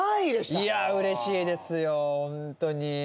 うれしいですよ、本当に。